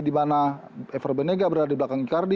di mana efer benega berada di belakang icardi